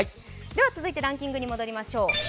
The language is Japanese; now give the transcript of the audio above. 続いてランキングに戻りましょう。